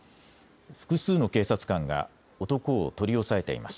複数の警察官が男を取り押さえています。